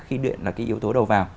khi điện là cái yếu tố đầu vào